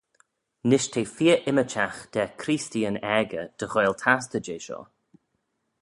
Nish te feer ymmyrchagh da Creesteeyn aegey dy ghoaill tastey jeh shoh.